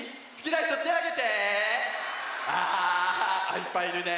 いっぱいいるね。